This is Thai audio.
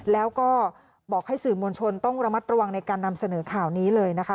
แล้วก็บอกให้สื่อมวลชนต้องระมัดระวังในการนำเสนอข่าวนี้เลยนะคะ